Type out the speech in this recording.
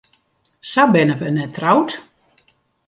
Sa binne wy net troud.